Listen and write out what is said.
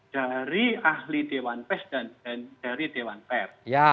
dari ahli dewan pers dan dari dewan pers